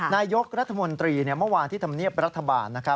นายกรัฐมนตรีเมื่อวานที่ธรรมเนียบรัฐบาลนะครับ